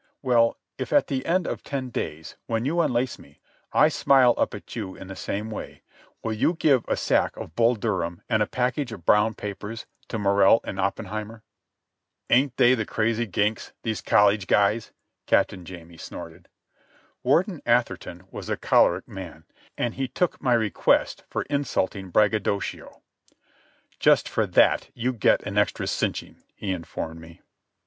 Well, if, at the end of the ten days, when you unlace me, I smile up at you in the same way, will you give a sack of Bull Durham and a package of brown papers to Morrell and Oppenheimer?" "Ain't they the crazy ginks, these college guys," Captain Jamie snorted. Warden Atherton was a choleric man, and he took my request for insulting braggadocio. "Just for that you get an extra cinching," he informed me.